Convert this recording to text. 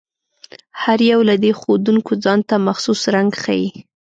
هر یو له دې ښودونکو ځانته مخصوص رنګ ښيي.